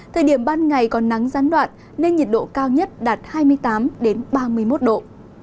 thời điểm ban ngày còn nắng gián đoạn nên nhiệt độ cao nhất đạt hai mươi tám ba mươi một độ